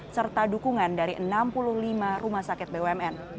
serta dukungan dari enam puluh lima rumah sakit bumn